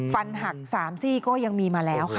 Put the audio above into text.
ฟันหัก๓ซี่ก็ยังมีมาแล้วค่ะ